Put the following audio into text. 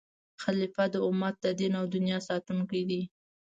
خلیفه د امت د دین او دنیا ساتونکی دی.